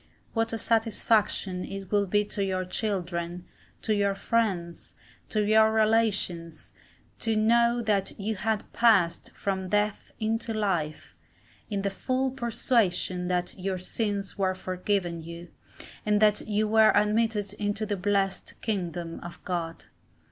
What a satisfaction it would be to your children, to your friends, to your relations, to know that you had passed from death into life, in the full persuasion that your sins were forgiven you, and that you were admitted into the blessed kingdom of God.